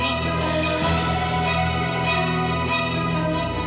emel ada apa gitu